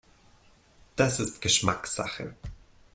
Das ist Geschmackssache.